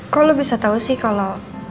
kok lu bisa tau sih kalo